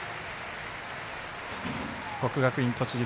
国学院栃木